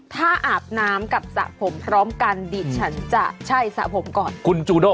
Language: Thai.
ถ้าอาบน้ำกับสระผมพร้อมกันดิฉันจะใช่สระผมก่อนคุณจูโด